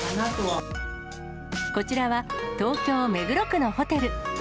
こちらは東京・目黒区のホテル。